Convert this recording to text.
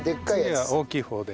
次は大きい方で。